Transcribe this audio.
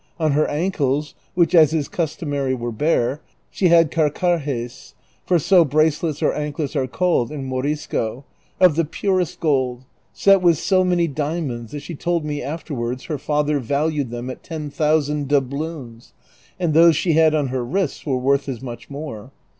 On her ankles, which as is customary were bare, she had carcajes (for so bracelets or anklets are called in Morisco) of the purest gold, set with so many diamonds that she tokl me afterwards liei' father valued them at ten thousand doubloons, and those she had on her wrists were worth as much more.